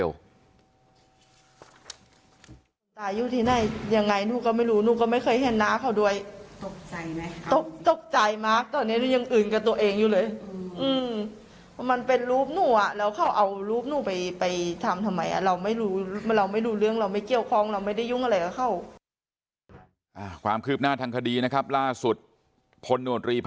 วันนี้ยังอื่นกับตัวเองอยู่เลยมันเป็นรูปนู้นแล้วเขาเอารูปนู้นไปทำทำไม